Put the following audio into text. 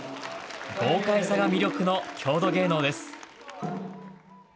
豪快さが魅力の郷土芸能です。